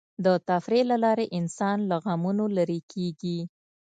د تفریح له لارې انسان له غمونو لرې کېږي.